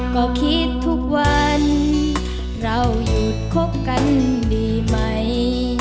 ก็คิดทุกวันเราหยุดคบกันดีไหม